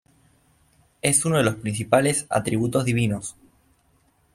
Es uno de los principales atributos divinos.